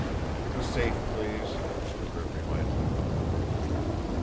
"The safe, please," Mr. Grimm reminded him.